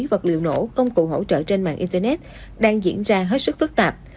vật liệu nổ công cụ hỗ trợ trên mạng internet đang diễn ra hết sức phức tạp